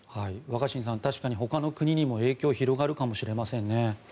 若新さん確かにほかの国にも影響が広がるかもしれませんね。